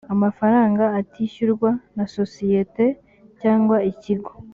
amafaranga atishyurwa na sosiyete cyangwa ikigo